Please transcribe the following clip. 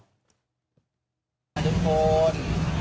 ด้านต้นโพน